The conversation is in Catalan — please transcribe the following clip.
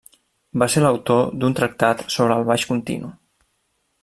Va ser l'autor d'un tractat sobre el baix continu.